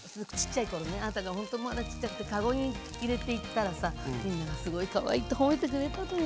あなたがほんとまだちっちゃくて籠に入れて行ったらさみんながすごいかわいいって褒めてくれたのよ。